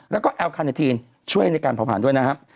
แล้วก็แอลคาเนทีนช่วยในการเผาผ่านด้วยนะครับ